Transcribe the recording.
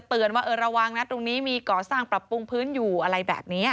ตรงนี้มีก่อสร้างปรับปรุงพื้นอยู่อะไรแบบนี้